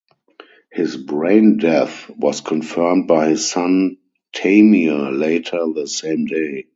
His brain death was confirmed by his son Tamir later the same day.